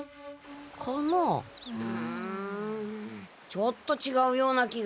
ちょっとちがうような気が。